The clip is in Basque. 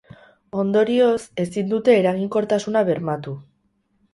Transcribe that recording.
Ondorioz, ezin dute eraginkortasuna bermatu.